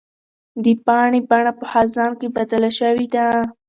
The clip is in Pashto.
د پاڼې بڼه په خزان کې بدله شوې ده.